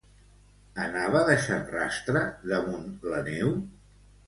Anava deixant rastre damunt la neu?